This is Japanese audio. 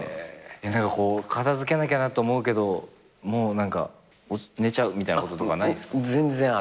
片付けなきゃなと思うけどもう何か寝ちゃうみたいなこととかないんすか？